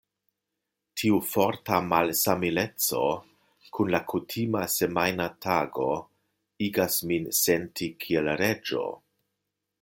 Tiu forta malsamileco kun la kutima semajna tago igas min senti kiel reĝo.